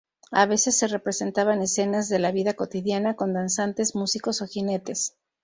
A veces se representaban escenas de la vida cotidiana, con danzantes, músicos o jinetes.